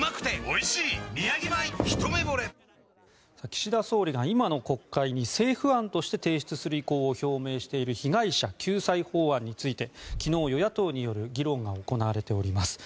岸田総理が今の国会に政府案として提出する意向を表明している被害者救済法案について昨日、与野党による議論が行われています。